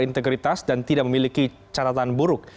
integritas dan tidak memiliki catatan buruk